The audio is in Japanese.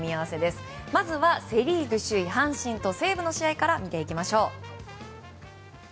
まずはセ・リーグ首位、阪神と西武の試合から見ていきましょう。